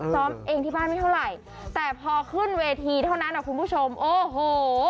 ซ้อมเองที่บ้านไม่เท่าไหร่แต่พอขึ้นเวทีเท่านั้นอ่ะคุณผู้ชมโอ้โห